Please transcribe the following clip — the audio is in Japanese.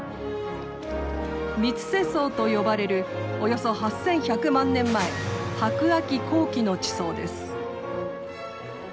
三ツ瀬層と呼ばれるおよそ８，１００万年前白亜紀後期の地層です。